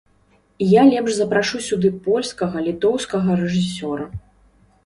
Я лепш запрашу сюды польскага, літоўскага рэжысёра.